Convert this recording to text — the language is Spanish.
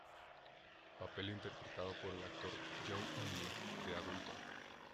Papel interpretado por el actor Jung In-gi de adulto.